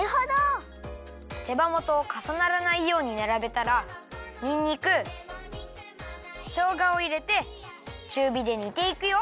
手羽元をかさならないようにならべたらにんにくしょうがをいれてちゅうびで煮ていくよ。